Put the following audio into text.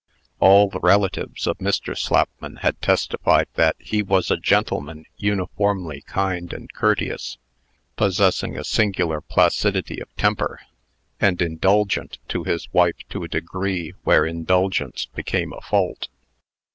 All the relatives of Mr. Slapman had testified that he was a gentleman uniformly kind and courteous, possessing a singular placidity of temper, and indulgent to his wife to a degree where indulgence became a fault.